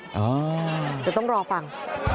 เดี๋ยวต้องรอฟัง